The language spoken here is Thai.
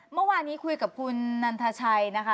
เมื่อวานนี้คุยกับคุณนันทชัยนะคะ